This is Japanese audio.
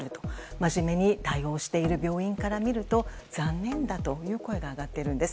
まじめに対応している病院から見ると残念だという声が上がっているんです。